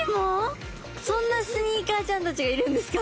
そんなスニーカーちゃんたちがいるんですか。